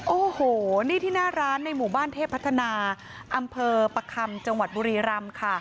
โอ้โหนี่ที่หน้าร้านในหมู่บ้านเทพพัฒนาอำเภอประคำจังหวัดบุรีรำค่ะ